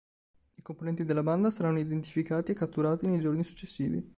I componenti della banda saranno identificati e catturati nei giorni successivi.